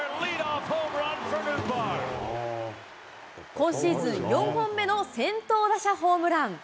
今シーズン４本目の先頭打者ホームラン。